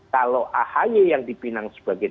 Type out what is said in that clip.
kalau ahy yang dipinang sebagai